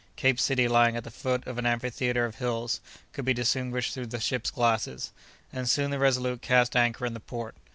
Cape City lying at the foot of an amphitheatre of hills, could be distinguished through the ship's glasses, and soon the Resolute cast anchor in the port.